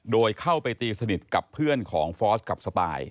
โดยเข้าไปตีสนิทกับเพื่อนของฟอสกับสปาย